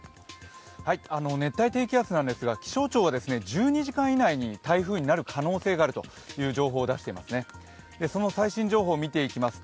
熱帯低気圧なんですが、気象庁は１２時間以内に台風になる可能性があるという情報を出しています。